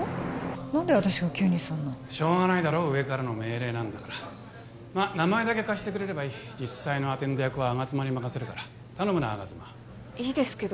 何で私が急にそんなしょうがないだろ上からの命令なんだからまっ名前だけ貸してくれればいい実際のアテンド役は吾妻に任せるから頼むな吾妻いいですけど